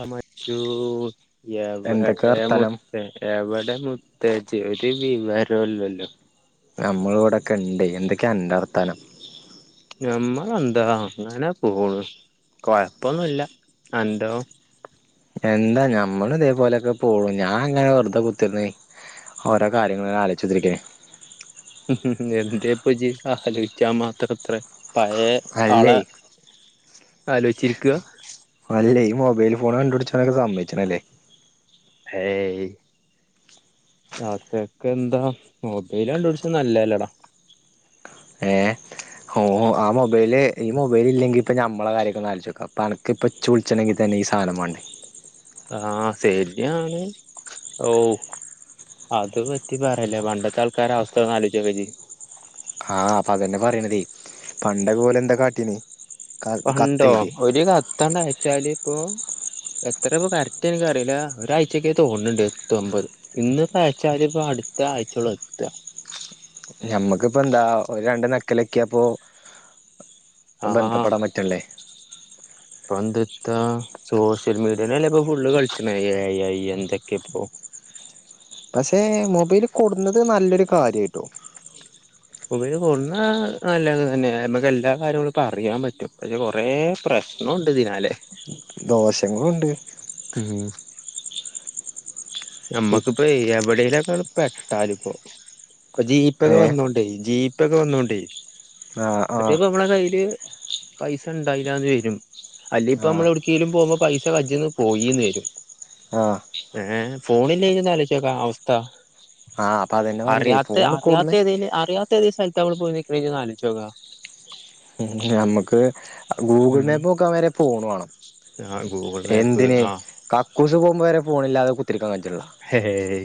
ആഹ് മ്മച്ചു എവടെ എന്തൊക്കെ മു വർത്താനം എവടെ മുത്തേജ് ഒരു വിവരുല്ലല്ലോ നമ്മള് ഇവടെക്കെണ്ട് എന്തൊക്കെ അ ൻ്റെ വർത്താനം നമ്മളെന്താ അങ്ങനെ പോണു കൊഴപ്പൊന്നുല്ല അന്റോ എന്താ ഞമ്മളും ഇതേപോലെയൊക്കെ പോണ് ഞാൻ അങ്ങനെ വെറുതെ കുത്തിർന്നേ ഓരോ കാര്യങ്ങള് ആലോച്ചിതിരിക്കേ എന്തെപ്പജ് അ ആലൊയ്‌ച്ചാ മാത്രംത്ര പയെ അല്ലേ ആളെ ആലോച്ചിരിക്കാ അല്ലേ ഈ മൊബൈൽ ഫോൺ കണ്ടു പിടിച്ചാനൊ സമ്മയ്‌ച്ചണല്ലേ ഹേ യ്‌ അ തക്കെ എന്താ മൊബൈല് കണ്ട് പിടിച്ചത് നല്ലല്ലേടാ ഏഹ് ഓ ആ മൊബൈല് ഈ മൊബൈൽ ഇല്ലങ്കിൽ ഇപ്പൊ നമ്മളെ കാര്യകെ ആലോചോക്കാ അനക്ക് ഇപ്പൊ ഇച്ച് വിളിച്ചണെങ്കിൽ തന്നെ സാനം വാ ണ്ടെ ആഹ് സേഫ് ടിയാണ് ഓ അത് പറ്റി പറയല്ലേ പണ്ടത്തെ ആൾക്കാര അവസ്ഥന്ന്ജ് ആലോചോക്കജ് ആഹ് അപ്പ അതന്നെ പറയണതേ പണ്ട് ഒലെന്താ കാട്ടീന് ക പണ്ടോ കത്തെഴുതി ഒരു കത്തയച്ചാല് ഇപ്പൊ എത്രപ്പ കറക്റ്റ് നക്ക് അറിയില്ല ഒരാഴ്ചക്കെ തോണുന്നുണ്ട് എത്തു മ്പത് ഇന്ന്പ്പം അയച്ചാല് പ്പം അടുത്ത ആഴ്ചള്ളു എത്താ ഞമ്മക്ക്‌പ്പോ എന്താ ഒരു രണ്ട് ഞെക്കലൊക്കിയപ്പൊ ബന്ധപ്പെടാൻ പറ്റ്ല്ലേ പണ്ട്ത്താ സോഷ്യൽ മീഡിയെല്ലെപ്പം ഫുള് കളിച്ച് ണേ ഐ ഐ അയ് എന്തൊക്കെ ഇപ്പോ പക്ഷെ മൊബൈല് കൊടുന്നത് നല്ലൊരു കാര്യയിട്ടോ മൊബൈൽ കൊടുന്ന നല്ലത് തന്നെ നമക്ക് എല്ലാ കാര്യങ്ങളും അറിയാൻ പറ്റും അയ്‌ല് കൊറെ പ്രശ ദോശണ്ട് ദിനാലെ ദോഷങ്ങളുണ്ട് മ്മ് ഇ നമ്മക്കിപ്പോ എവിടെലൊക്കെ പെട്ടാല് ഇപ്പോ ഇപ്പ ജീപേ ഏ വന്നോണ്ടേ ജീപേ വന്നോണ്ടേ ആഹ് ആഹ് മറ്റേപ്പ നമ്മളെ കയ്യില് പൈസ ണ്ടായിലാന്ന് വരും, അല്ലിപ്പോ ആഹ് മ്മള് എവ്ട്ക്കേലും പോവുമ്പോ പൈസ കജ്ജ്ന്ന് പോയീന്ന് വരും. ആഹ്. ഏഹ് ഫോണില്ലെ ഇജൊന്ന് ആലോയ്ചോക്കാ അവസ്ഥ. ആഹ് അപ്പൊ അതന്നെ പറഞ്ഞതേ അറിയാത്ത, ഫോണ് കൊടുന്ന് അറിയാത്ത ഏതേല് അറിയാത്ത. ത്തത് സ്ഥലത്താ മ്മള് പോയി നിക്ക്ണ് ജൊന്നാലോയ്ച്ചോക്കാ. ഹും ഞമ്മക്ക്. ഗൂഗിൾ ഉം മാപ്പ് നോക്കാ വരെ ഫോൺ വേണം ആ ഗൂഗിൾ മാപ്പ് എന്തിന് ആ കക്ക് ക്കൂസ് പോവുമ്പൊ വരേ ഫോണില്ലാതെ കുത്തിരിക്കാ കജ്ജ്ണില്ലടാ. ഹേയ്.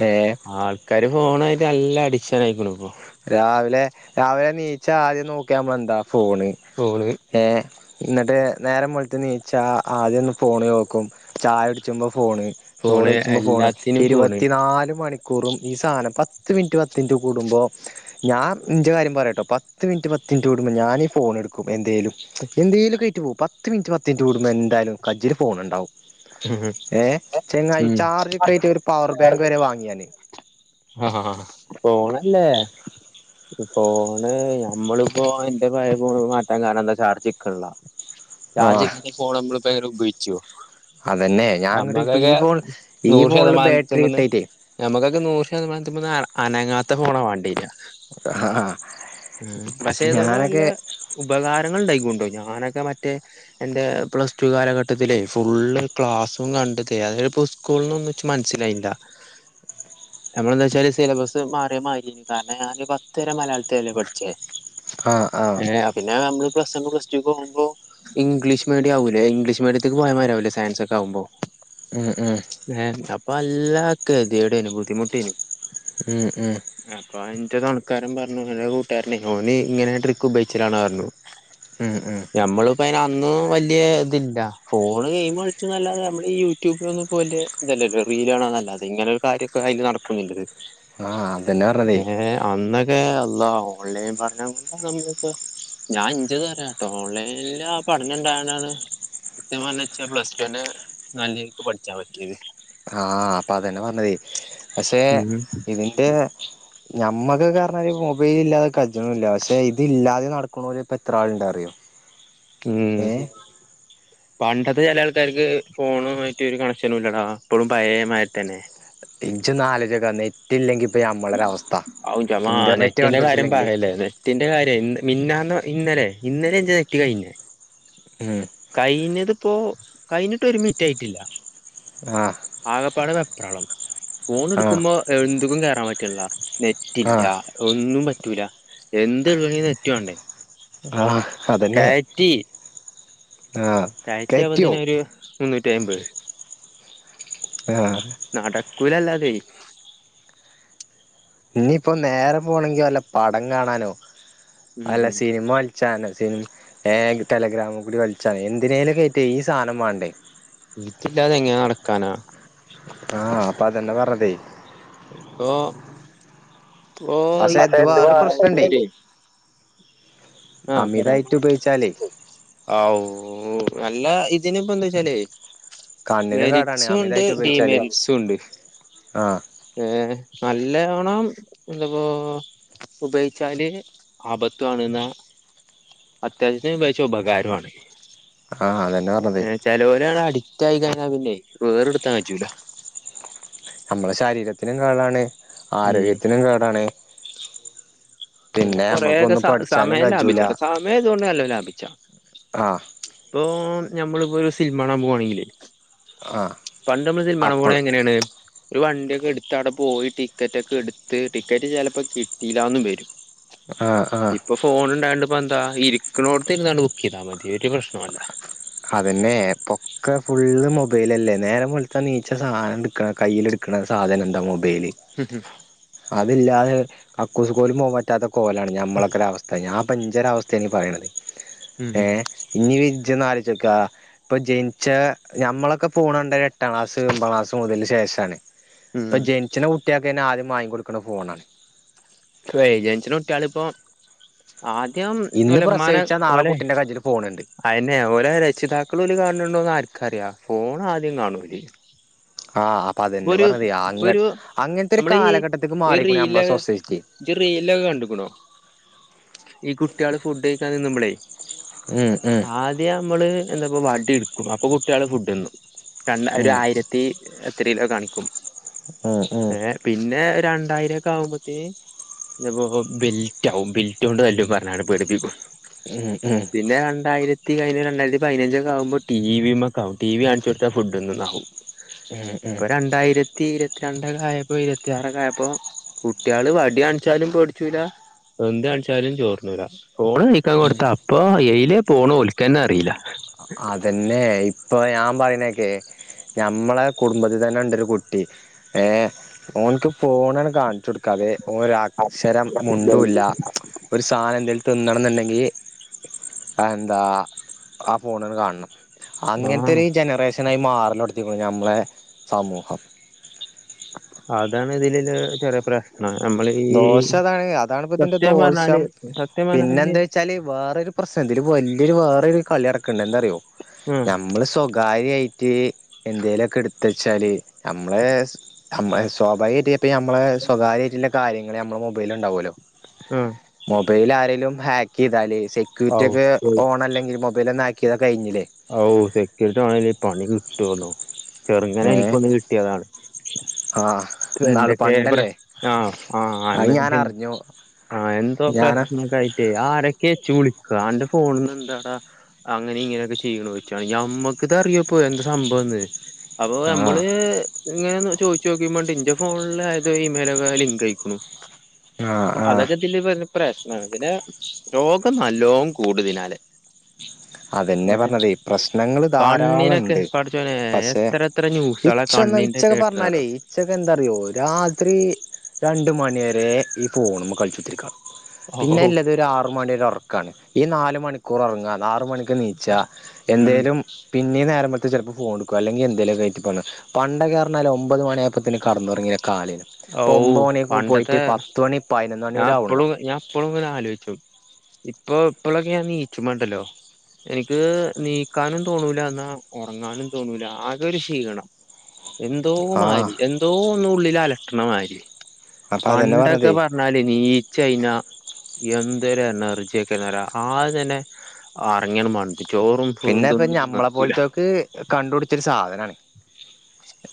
ഡേഹ്. ആൾക്കാര് ഫോണായിട്ട് നല്ല അഡിക്ഷൻ ആയ്ക്കുണു പ്പൊ. രാവിലെ രാവിലെ നീച്ചാ ആദ്യം നോക്ക മ്മള് എന്താ ഫോണ്. കോള്. ഏഹ് ന്ന്ട്ട് നേരം വെൾത്ത് നീച്ചാ ആദ്യം ഒന്ന് ഫോണ് നോക്കും. ചായുട്ച്ചുമ്പൊ ഫോണ്, ഫോണ് ചോറൈച്ചുമ്പൊ ഫോണ്, എല്ലാത്തിനും ഫോണ് ഇരുവത്തിനാല് മണി. കൂറും ഈ സാനം പത്ത് മിനിറ്റ് പത്ത് മിനിറ്റ് കൂടുമ്പോ. ഞാൻ ന്റെ കാര്യം പറയട്ടോ പത്ത് മിനിറ്റ്, പത്ത് മിനിറ്റ് കടുമ്പോൾ ഞാനീ ഫോണ് ട്ക്കും എന്തേലും. എന്തേലൊക്കായിറ്റ് പോവും പത്ത് മിനിറ്റ് പത്ത് മിനിറ്റ് കൂടുമ്പോ എന്തായാലും കജ്ജില് ഫോണ് ണ്ടാവും. ഏഹ് ചങ്ങായി ഉം ചാർജ്ക്കായിറ്റ് ഒരു പവർ ബാങ്ക് വരെ വാങ്ങിയാന്. ആഹ്, ഹാ ഫോണല്ലേ. ഫോണ് ഞമ്മളിപ്പോ ന്റെ പയെ ഫോണ് മാറ്റാൻ കാരണം ന്താ ചാർജ്ക്ക്ള്ളാ. ആ ചാർജ് കെയിഞ്ഞ ഫോണ് ഞമ്മളിപ്പോ എങ്ങനെ ഉപയോഗിച്ചോ. അതന്നെ ഞാൻ ന്ന്ട്ട് ഈ നമ്മക്കൊക്കെ ഫോൺ ഈ ഫോണില് ബാറ്ററി കിട്ടായിറ്റെ. ഞമ്മക്കൊക്കെ നൂറ് ശതമാനത്തുമ്മന്ന് അനങ്ങാത്ത ഫോണാ വാണ്ടെരാ. ആ ഉം പഷേ ഇതോണ്ട് നല്ല. ഞാനൊക്കെ ഉപകാരങ്ങള് ഉണ്ടായിക്ക്ണുട്ടോ ഞാനൊക്കെ മറ്റേ എന്റെ പ്ലസ് ടു കാലഘട്ടത്തിലേ ഫുള്ള്. ക്ലാസ്സും കണ്ടത് അതെൽപ്പോ സ്കൂള്നൊന്നും ച്ച് മനസ്സിലായിൻ ലാ. ഞമ്മളെന്ത ച്ചാല് സിലബസ് മാറ്യെ മയിരേനു കാരണം ഞാനൊരു പത്ത് വരെ മലയാളത്തിലല്ലേ പഠിച്ചേ. ആഹ്, ആഹ്. പിന്നെ നമ്മള് പ്ലസ് വൺ, പ്ലസ് ടൂ ക്കോകുമ്പോ. ഇംഗ്ലീഷ് മീഡിയാവൂലെ ഇംഗ്ലീഷ് മീഡിയത്ത്ക്ക് പോയമാരിയാവൂലെ സയൻസൊക്കെ ആവുമ്പോ. ഉം, ഉം. ഏഹ് അപ്പൊ നല്ല കേതിയേടേനു ബുദ്ധിമുട്ടേനു. ഉം ഉം. അപ്പൊ ന്റെ തൊണക്കാരൻ പറഞ്ഞു എന്റെ കൂട്ടുകാരനെ ഓന് ഇങ്ങനെ ട്രിക്ക് ഉപയോഗിച്ചലാണ് റഞ്ഞു. ഉം ഉം ഞമ്മള് പ്പോ ഐന് അന്നും വല്ല്യെ തില്ലാ ഫോണ് ഗെയിമ ച്ചും നല്ലാതെ നമ്മളീ യൂട്യൂബിലൊന്നും വല്ല്യെ ഇതല്ലല്ലോ റീല് കാണാനല്ലാതെ ഇങ്ങനെ ഒരു കാര്യൊക്കെ അതില് നടതക്കും നില്ലത്. ആഹ് അതന്നെ പറഞ്ഞതേ ഏഹ് അന്ന്. എ അള്ളാ ഓൺലൈൻ പഠനം കൊണ്ടാ നമ്മളിപ്പോ. ഞാൻ ഇഞ്ചത് പറയാട്ടോ ഓൺലൈനില് ആ പഠനംണ്ടായോണ്ടാണ് സത്യം പറഞ്ഞ ഇച്ചാ പ്ലസ് ടു. നെ നല്ലേൽക്ക് പഠിച്ചാ പറ്റ്യേത്. ആഹ് അപ്പൊ അതന്നെ പറഞ്ഞത് പഷേ ഉം ഇന്റെ. ഞമ്മകൊക്കെ റഞ്ഞല് മൊബൈലില്ലാതെ കജ്ജ്ണൂല്ല പഷേ ഇത് ഇല്ലാതെ നടക്ക്ണോല് പ്പൊ എത്രാള്ണ്ടറിയോ. ഉം. പണ്ടത്തെ ചെല ആൾക്കാര്ക്ക് ഫോണു ആയിട്ട് ഒരു കണക്ഷനും ഇല്ലടാ ഇപ്പഴും പയേമാരി തന്നെ. ഇജെജാന്നാലോയ്ച്ചോക്കാ നെറ്റ് ഇല്ലെങ്കി ഇപ്പോം ഞമ്മളൊരവസ്ഥ ഔന്റെമ്മാ ഇൻറർനെറ്റ് നെറ്റിന്റെ കണ്ട് കാര്യം പിടിച്ചില്ലെങ്കില്. പറയല്ലേ നെറ്റിന്റെ കാര്യം മിന്നാന്നാ, ഇന്നലെ ഇന്നലെ ന്റെ നെറ്റ് കയിഞ്ഞേ. ഉം. കൈഞ്ഞതിപ്പോ കൈഞ്ഞിട്ട് ഒരു മിറ്റായിട്ടില്ല. ആഹ്. ആകപ്പടെവെ പ്രാളം ഫോൺ ആഹ് എടുക്കുമ്പോ എന്തക്കും കേയറാൻ പ റ്റില്ല നെറ്റ ആഹ് ഇല്ല ഒന്നും പറ്റൂല എന്ത് എടുകണെന്ന് നെ റ്റ വണ്ടേ ആഹ അതന്നെ ആഹ കയറ്റിയ പതിന് ഒരു മുന്നൂറ്റി അമ്പത് ആ നടക്കൂലല്ലാതെ ഞ്ഞിപ്പോ നേരം പോണെങ്കി വല്ല പടം കാണാനോ വല്ല ഉം സിനിമ ഒൽ ച്ച സിന ടെലഗ്രാമ കൂടി വലിച്ചാണ് എന്തിനേലും കയറ്റേ ഈ സാധനം വേണ്ടേ നെറ്റി ല്ലാതെ എങ്ങന നടക്കാനാ ആ അപ്പം അതന്നെ പറഞ്ഞത് ഓഹ് ഓഹ് പക്ഷെ ആ ഇത് ടെന്റ് വേറെ പ്രശ്നണ്ടേ [unintelligible] ആഹ് പറേ അമിതായിട്ട് ഉപയോഗിച്ചാലേ ആവൂ അല്ല ഇതിന് ഇപ്പോ എന്താ വെച്ചാലേയ് കണ്ണിനും കേടാണ് മെരിറ്റ്സും ഉണ്ട് അമിതായിട്ട് ഉപയോഗിച്ചാല് ഡീമെരിറ്റ്സും ഉണ്ട് ആഹ് ഏഹ് നല്ലവണം എന്തപ്പോ ഉപയോഗിച്ചാല് ആപത്താണ് ഇന്നാ അത്യാവശ്യം ഉപയോഗിച്ചാ ഉപകാരമാണ് ആഹ് അതന്നെ പറഞ്ഞത് ചെലോര് അങ്ങനെ അഡിക്റ്റ് ആയി കഴിഞ്ഞാ പിന്നെ വേറെ പെടുത്താൻ പറ്റൂല നമ്മള ശരീരത്തിനും കേടാണ് ഉം ആരോഗ്യത്തിനും കേടാണ് പിന്നെ നമ്മക്ക് കുറേയക്കെ ഒന്നും സ പഠിച്ചാനും സമയം ലാഭിച്ച കജൂല കേട്ടാ സമയം ഇതുകൊണ്ട് നല്ലോം ലാഭിച്ചാ ആഹ് ഇപ്പൊ ഞമ്മളിപ്പോ ഒരു സിനിമ കാണാൻ പോകുവാണെങ്കില് ആഹ് പണ്ട് നമ്മൾ സിനിമകാണാൻ അപ്പോൾ പോണേ എങ്ങനെയാണ് ഒരു വണ്ടിയൊക്കെ എടുത്ത് അവിടെ പോയി ടിക്കറ്റ് ഒക്കെ എടുത്ത് ടിക്കറ്റ് ചിലപ്പോ കിട്ടിയില്ലന്ന് വരും ആഹ് ആഹ് ഇപ്പൊ ഫോൺ ഇണ്ടായണ്ട് ഇപ്പോ എന്താ ഇരിക്കുന്നോട്ത്ത് ഇരുന്നാണ്ട് ബുക്ക് ചെയ്താൽ മതി ഒരൂ പ്രശ്നം മല്ല അതന്നെ ഇപൊക്കെ ഫുള്ള് മൊബൈലല്ലേ നേരെം വെളുത്താ നീച്ച സാന എടുക്കണം കയ്യിൽ എടുക്ക ക്ക്ണ സാധനം എന്താ മൊബൈല് ഉം ഹ അതില്ലാതെ കക്കൂസ് കോലും പോകാ ൻ പറ്റാത്ത കോലാണ് ഞമ്മളൊക്കെ ഒരു അവസ്ഥ ഞൻ ഇപ്പൊ ഇജ്ജെ രാവസ്ഥ അവസ്ഥ യാണ് പറയണുന്നത് ഉം ഏഹ് ഇനി ഇജോന്ന് ആലോയിച്ചോക്ക് ക്കാ ഇപ്പൊ ജനിച്ച ഞമ്മളൊക്കെ ഫോ ണണ്ട എട്ടാം ക്ലാസ് ഒമ്പാം ക്ലാസ് മുതൽ ശേഷമാണ് ഇപ്പൊ ഉം ജനിച്ചിണെ കുട്ടിയക്കെ ആദ്യം മാങ്ങി കൊടുക്ക്ണ ഫോണാണ് ഇപ്പോ ജനിക്കുന്ന കുട്ടിആള് ഇപ്പോ ആദ്യം ഇന്ന് ഓലെ ഇമ്മാന്നെ പ്രസവിച്ചാ നാളെ ഓലെ കുട്ടിന്റെ കജ്ജില് ഫോണുണ്ട് അയിനെ ഓലെ രക്ഷിതാക്കളെ ഓല് കാണണ്ടോന്ന് ആർക്കറിയാ ഫോൺ ആദ്യം കാണും ഓല് ആഹ് അപ്പൊ അതന്നെ പറഞ്ഞ ഇപ്പൊ അ ഒരു അങ്ങനത്തെ ഒരു നമ്മള് കാലഘട്ടത്തേക്ക് മാറിക്കൂണ് നമ്മളെ സോസൈറ്റി ഇജ് റില്ലൊക്കെ കണ്ടക്ക്ണോ ഈ കുട്ടികള് ഫുഡ് കഴിക്കാൻ നിന്നുമ്പളേ ഉം ഉം ആദ്യം നമ്മള് എന്താ ഇപ്പോ വടി എടുക്കും അപ്പൊ കുട്ടികള് ഫുഡ് തിന്നും രണ്ട് ഒരു ഉം ആയിരത്തി ത്രി രിയില് കാണിക്കും ഉം ഉം ഏ പിന്നെ ഒരു രണ്ടായിരം ഒക്കെ ആകു ബോത്തിന് ഇപ്പോ ബെൽറ്റാവും ബെൽറ്റോണ്ട് തല്ലും പറഞാണ്ട് പേടിപ്പിക്കും ഉം ഉം പിന്നെ രണ്ടായിരത്തി കത്തി കഴിഞ്ഞ രണ്ടായിരത്തിപതിനഞ്ച് ഒക്കെ ആകുമ്പോത്തിന് ടീവി മ്മക്കാവും ടിവി കാണിച്ചു കൊടുത്ത ഫുഡ് തിന്ന്ണ് ആവും ഉം ഉം ഇപ്പൊ രണ്ടായിരത്തി ഇരുപത്തിരണ്ടക്കൊയപ്പോ ഇരുപത്തിയാറെക്ക ആയപ്പോ കുട്ടികള് വടി കാണിച്ചാലും പേടിച്ചൂല എന്താണിച്ചാലും ചോർ തിന്നുലാ ഫോണ് കാനിക്കാൻ ഉം കൊടുത്ത അപ്പൊ എയ്യിലെ പോണ് ഒല്ക്ക് തന്നെ അറിയില്ല അതെന്നെ ഇപ്പൊ ഞാൻ പറയുന്ന കോക്ക് ഞമ്മളെ കുടുംബത്തിൽ തന്നെ ഇണ്ട് ഒരു കുട്ടി ഏഹ് ഓനിക്ക് ഫോണണ് കാണിച്ചു കൊടുക്കാതെ ഓന് ഒരു അക്ഷരം മുണ്ടൂല്ല ഒരു സാധനം എന്തെങ്കിലും തിന്നണം എന്നുണ്ടെങ്കിൽ എന്താ ഫോണിൽ കാണണം ആഹ് അങ്ങനത്തെരു ജനറേഷനായി മാറിലെടുത്തി നമ്മളുടെ സമൂഹം അതാണ് ഇതില്ള്ള ചെറിയ പ്രശ് ആഹ് നമ്മളീ ദോശ അതാണ് അതാണിപ്പ ഇതിന്റെ സത്യം പറഞ്ഞാല് സത്യം പറഞ്ഞാല് ച്ചാല് വേറൊരു പ്രശ്നം ഇതില് വല്യയൊരു വേറൊരു കളി നടക്ക്ണ്ട് എന്താറിയോ? ഉം ഞമ്മള് സ്വകാര്യായിറ്റ് എന്തേലുവൊക്കെ എടുത്ത് വെച്ചാല് നമ്മളെ ഞമ്മളെ സ്വാഭാവികായിറ്റ് ഇപ്പ ഞമ്മളെ സ്വകാര്യമായിട്ടുള്ള കാര്യങ്ങള് ഞമ്മളെ മൊബൈലില് ഇണ്ടാവല്ലോ? ആഹ് മൊബൈൽ ആരെേലും ഹാക്ക് ചെയ്താല് ഔ സെക്യൂരിറ്റി ഒക്കെ പോയി. ഓൺ അല്ലെങ്കിൽ മൊ എന്തേലു ഒന്നാക്കിയതാ കയിഞ്ഞീല്ലേ ആവൂ സെക്യൂരിറ്റി [unintelligible] പണി കിട്ടോന്നോ ചെറുങ്ങനെ ഏ എനിക്കൊന്ന് കിട്ടിയതാണ് ആഹ് ക്കു ഇന്നാള് എന്തൊക്കെ പണ്ടല്ലേ പ്രശ് ആഹ് അത് ആഹ് ഞാൻ അറിഞ്ഞു [unintelligible] ആഹ് എന്തോ ഞാന് പ്രശ്നണ്ടായി ആരൊക്കെച്ച് വിളിക്കാ എന്റെ ഫോണന്ന് എന്താടാ അങ്ങനെ ഇങ്ങനൊക്കെ ച് ചെയ്യണു ചോയിച്ചു അത് ഞമ്മക്കിത് അറിയോ ഇപ്പോ എന്താ സംഭവന്ന് അപ്പൊ ആഹ് നമ്മള് ഇങ്ങനെ ഒന്ന് ചോയിച്ചോക്കി പറഞ്ഞിട്ട് ഇന്റെ ഫോണിൽ അയത് ഇമെയിലൊക്കെ ലിങ്ക് അയിക്കണു ആഹ് ആഹ് അതൊക്കെതില് [unintelligible] പ്രശ്നാ പിന്നെ രോഗം നല്ലോം കൂടു ഇതിനാലെ അതെന്നെയാ പറഞ്ഞതെ പ്രശ്നങ്ങൾ ധാരാളം കണ്ണിനൊക്കെ ഇണ്ട് പടച്ചോനെ പക്ഷെ എത്ര എത്ര ന്യൂസാളാ ഇച്ച് ഒന്ന് കണ്ണിന്റെ ഇച്ചൊക്കെ പറഞ്ഞാലേ കേട്ടറിയോ ഈച്ചെക്കെൻ എന്താറിയോ രാത്രി രണ്ട് മണി വരെ ഈഫോണ് മ്മെ കളിച്ചുത്തിരിക്കാ ഓ പിന്നെ ഇല്ലത് ഒരു ആറ് മണിടെ ഒറക്കാണ് ഈ നാല് മണിക്കൂർ ഒറങ്ങാ നാ [unintelligible] മണിക്ക് നീച്ചാ ഉം എന്തേലും പിന്നേം നേരം വെളുത്ത് ചെലപ്പോ ഫോണെടുക്കും അല്ലെങ്കി എന്തേലും ഒക്കെ ആയിറ്റ് [unintelligible] പണ്ടൊക്കെ പറഞ്ഞാല് ഒമ്പത് മണിയായപ്പത്തിന് കടന്നൊറങ്ങിയ കാലേനും ഓ ഇപ്പോ ഒമ്പത് മണിയൊക്കെ പോയിറ്റ് പണ്ടത്തെ പത്ത് മണി പതിനൊന്ന് മണി പോലും ആവണില്ല ഇപ്പഴും ഇങ്ങനെ ആലോയിച്ചും ഇപ്പ ഇപ്പളൊക്കെ ഞാൻ നീച്ചുമ്പണ്ടല്ലോ എനിക്ക് നീക്കാനും തോന്നൂല എന്നാ ഒറങ്ങാനും തോന്നൂല ആകെ ഒരു ക്ഷീണം എന്തോ ആഹ് മാതിരി എന്തോ ഒന്ന് ഉള്ളില് അലട്ടണ മാരി അപ്പൊ അതന്നെ പണ്ടൊക്കെ പറഞ്ഞതേ പറഞ്ഞാല് നീച്ചയിഞ്ഞാ എന്തൊരു എനർജിയൊക്കെയാന്ന് അറിയോ ആദ്യം തന്നെ ഒറങ്ങിയങ്ങ് മണ്ട് ഈ ചോറും പിന്നെ ഇപ്പ ഇതൊന്നും തിന്നാൻ ഞമ്മളെ നിക്കൂല പോലത്തോക്ക് കണ്ടുപിടിച്ചെരു സാധനാണ്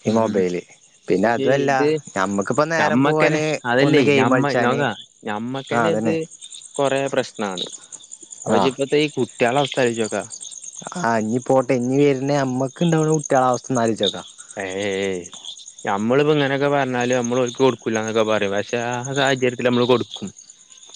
ഈ ഉം മൊബൈല് പിന്നെ അതു അല്ല ഞമ്മക്കിപ്പ ഞമ്മക്കെന്നെ അതല്ലേ ഞമ്മ നോക്കാ ആ ഞമ്മക്കെന്നെത് അതന്നെ കൊറെ പ്രശ്നാണ് അപ്പ ആ ഇജ് ഇപ്പത്തെ ഈ കുട്ടിയാളെ അവസ്ഥ ആലോയിച്ചോക്കാ ആഹ് ഇനി പോട്ടെ ഇനി വെര്ണ ഞമ്മക്ക് ഇണ്ടാവണ കുട്ടികള അവസ്ഥ ഒന്നാലോയിച്ചോക്കാ ഏയ് ഞമ്മളിപ്പോ ഇങ്ങനെയൊക്കെ പറഞ്ഞാലു നമ്മള് ഓലിക്ക് കൊടുക്കൂലന്നൊക്കെ പറയും പക്ഷെ ആ സാഹചര്യത്തിൽ നമ്മള് കൊടുക്കും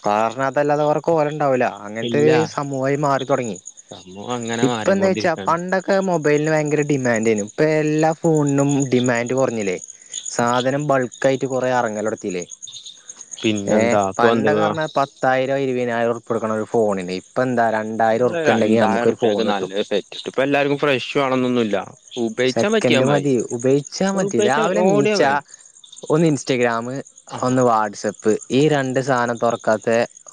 കാരണം അതല്ലാതെ [unintelligible] ഉണ്ടാവൂല്ല അങ്ങനത്തെ ഇല്ല ഒരു സമൂഹായി മാറി തൊടങ്ങി സംഭവം അങ്ങനെ ഇപ്പ എന്താ ചോയിച്ചാ മാറിക്കൊണ്ടിരിക്കാണ് പണ്ടൊക്ക് ക്കെ മൊബൈലിന് ഭയങ്കര ഡിമാൻഡ് ആയിനു ഇപ്പൊ എല്ലാ ഫോണിനും ഡിമാൻഡ് കൊറഞ്ഞില്ലേ സാധനം ബൾക്ക് ആയിട്ട് കൊറെ അറങ്ങലടത്തില്ലേ ഏഹ് പിന്നെന്താ ഇപ്പൊ പണ്ടക്കെ എന്തുവാ പത്തായിരോ ഇരുപതിനായിരോ ഉറുപ്പ്യ കൊടുക്കണം ഒരു ഫോണിണ്ട് ഇപ്പൊ എന്താ രണ്ടായിരം ഉറുപ്പ്യ ഇണ്ടെങ്കിൽ നമ്മക്കൊരു ഫോണ് കിട്ടും. ഇത് ഇപ്പ എല്ലാർക്കും ഫ്രഷ് വേണന്നൊന്നൂല്ല സെക്കൻഡ് മതി ഉപയോഗിച്ചാ മതി ഉപയോഗിച്ചാ രാവിലെ ഓടിയാ നീച്ചാ മതി ഒന്ന് ഇൻസ്റ്റഗ്രാമ് ആ ഒന്ന് വാട്സ്ആപ്പ് പ്പ് ഈ രണ്ട് സാധനം തൊറക്കാത്ത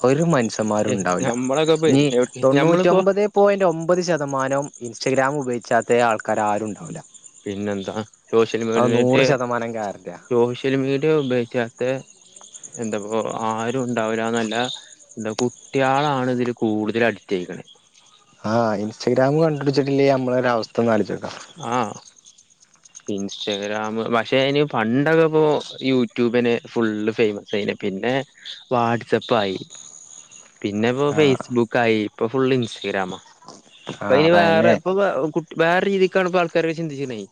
ഒരു മനു ഷ്യന്മാരും ഉണ്ടാവില്ല ഞമ്മളൊക്കെ പോയി നീ എവിടെ ഞമ്മളിപ്പോ തൊണ്ണൂറ്റൊമ്പതെ പോയിന്റ് ഒമ്പത് ശതമാനം ഇൻസ്റ്റഗ്രാം ഉപയോഗിച്ചാത്ത ആൾക്കാര് ആരും ഉണ്ടാവില്ല പിന്നെന്താ സോഷ്യൽ അത് മീഡിയെനെറ്റ് നൂറ് ശതമാനം ഗ്യാരണ്ടിയാ സോഷ്യ സോഷ്യൽ മീഡിയ ഉപയോഗിച്ചാത്ത എന്താപ്പോ ആരും ഉണ്ടാവില്ലാന്നല്ല എന്ത കുട്ടികളാണ് ഇതില് കൂടുതൽ അടിറ്റയിക്കണ് ആഹ ഇൻസ്റ്റഗ്രാം കണ്ടപിടിച്ചിട്ടില്ലേ നമ്മൊ ഒരു അവസ്ഥ ഒന്ന് അാലിച്ചച്ച്ോക്കാം ആ ഇൻസ്റ്റഗ്രാം് പക്ഷെ അതിന് പണ്ടൊക്കെ ഇപ്പോ യൂട്യൂബിന് ഫുള്ള് ഫേമസ് അയിെ പിന്നെ വാട്്സപ്പായി പിന്നെ ഇപ്പോൊ ആഹ് ഫേസ്ബുക്ക ആായി ഇപ്പൊ ഫുൾ ഇൻസ്റ്റഗ്രാാം അപ്പ ആഹ് അതിന് അപ്പ വേറെ അയെന്നെ ഇപ്പൊ വേറെ രീതിക്കണപ്പോൾ ആൾക്കാർെ ചിന്തിക്കുന്നായി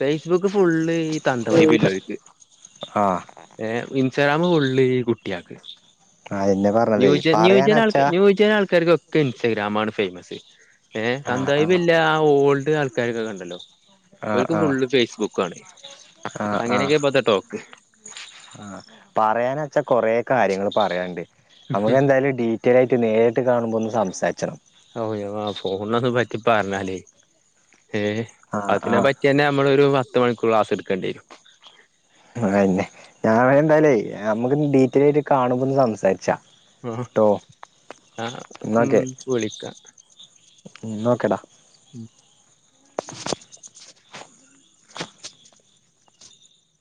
ഫേസ്ബുക്ക് ഫുള്ള് ഈ തന്തവായ ബല്ലക്ക് ആഹ് ഏ ഇൻസ്റ്റാഗ്രാമ കൊള്ള ഈ കുട്ടിയക്ക് [unintelligible] ന്യൂ ന്യൂജ പറയാനച്ചാ ന്യൂജൻ ആൾക്കാർക്കൊക്കെ ഇൻസ്റ്റഗ്രാാം ആണ് ഫേമസ് ഏ ആഹ് സന്തായിപ്പ ആഹ് ഇല്ല ആ ഓൾഡ് ആൾക്കാാരക്കൊക്കെ ണ്ടല്ലോ ആഹ് ഒക്ക് ഫുള്ള് ആഹ് ഫേസ്ബുക്ക് ആണ് അങ്ങനെയൊക്കെപ്പത്തെ ടോക്ക് ആ പറയാന വച്ചാ കൊറ കാര്യങ്ങൾ പറയാനണ്ട് നമുക്ക് എന്തായാലും ഡ കൃറ്റയരായിട്ട് നേരിട്ട് കാണുമ്പോ ഒന്ന് സംസാരിച്ചണം ഓ ഫോണിന ഒന്നന്ന് പറ്റി പറഞ്ഞാലേ ഏ ആഹ് അതിനെ ആഹ് പറ്റി പിന്നെ നമ്മ ള്ഒരു പത്ത് മണിക്കൂർ ക്ലാസ് എടുേണ്ടിരും ആ അന്നെ ഞാനെന്നാലെ നമ്മുക്ക്ി ഡീറ്റ യിൽകാണുമ്പോന്ന് സംസാരിച്ചാ ആ ട്ടോ ആ ഉ വിളിക്ക ഉ ഒക്കെടാ